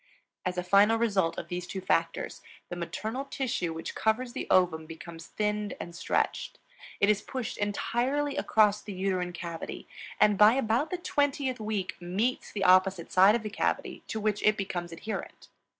As a final result of these two factors, the maternal tissue which covers the ovum becomes thinned and stretched; it is pushed entirely across the uterine cavity; and by about the twentieth week meets the opposite side of the cavity, to which it becomes adherent.